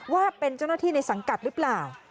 ว่าเป็นเจ้าหน้าที่ในสังกัดหรือเปล่า